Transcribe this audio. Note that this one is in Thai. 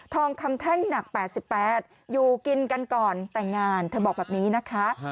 ทองคำแท่งหนัก๘๘อยู่กินกันก่อนแต่งงานเธอบอกแบบนี้นะคะ